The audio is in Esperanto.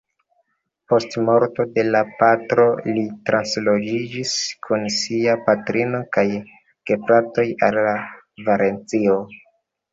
Post morto de la patro li transloĝiĝis kun sia patrino kaj gefratoj al Valencio.